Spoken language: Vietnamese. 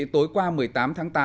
tối qua một mươi tám tháng tám